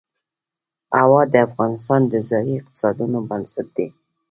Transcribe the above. هوا د افغانستان د ځایي اقتصادونو بنسټ دی.